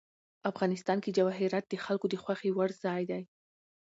افغانستان کې جواهرات د خلکو د خوښې وړ ځای دی.